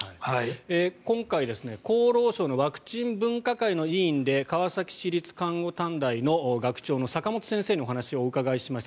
今回、厚労省のワクチン分科会の委員で川崎市立看護短期大学の学長の坂元先生にお話を伺いました。